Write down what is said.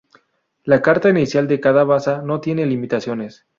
La carta inicial de cada baza no tiene limitaciones.